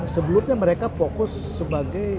sebelumnya mereka fokus sebagai